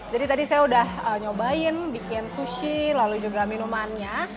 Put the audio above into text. jadi tadi saya udah nyobain bikin sushi lalu juga minumannya